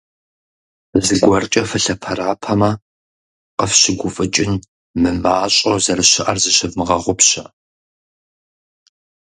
ЗыгуэркӀэ фылъэпэрапэмэ, къыфщыгуфӀыкӀын мымащӀэу зэрыщыӀэр зыщывмыгъэгъупщэ!